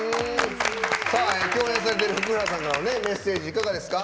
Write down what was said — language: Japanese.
共演されている福原さんからメッセージいかがですか？